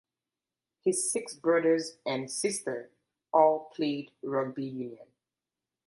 His six brothers and sister all played rugby union.